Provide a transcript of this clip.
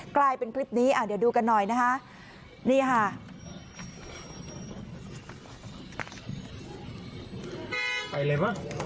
กลายเป็นคลิปนี้เดี๋ยวดูกันหน่อยนะครับ